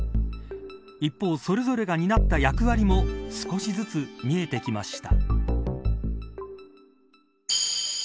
一方、それぞれが担った役割も少しずつ見えてきました。